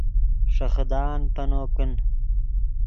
ݰے خدان پینو کن